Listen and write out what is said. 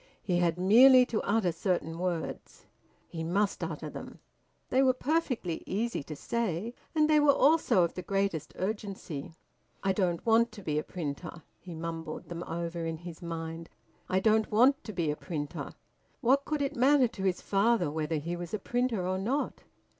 He had merely to utter certain words. He must utter them. They were perfectly easy to say, and they were also of the greatest urgency. "I don't want to be a printer." He mumbled them over in his mind. "I don't want to be a printer." What could it matter to his father whether he was a printer or not?